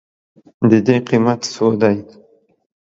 د دې قیمت څو دی؟